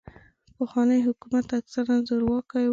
پخواني حکومتونه اکثراً زورواکي وو.